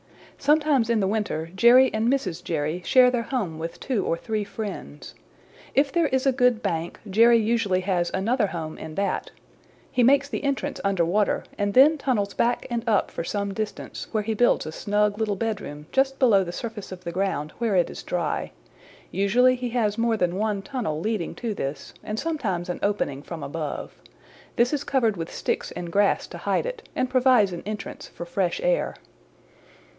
"Sometimes in the winter Jerry and Mrs. Jerry share their home with two or three friends. If there is a good bank Jerry usually has another home in that. He makes the entrance under water and then tunnels back and up for some distance, where he builds a snug little bedroom just below the surface of the ground where it is dry. Usually he has more than one tunnel leading to this, and sometimes an opening from above. This is covered with sticks and grass to hide it, and provides an entrance for fresh air.